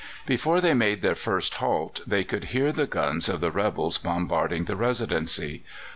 Before they made their first halt they could hear the guns of the rebels bombarding the Residency.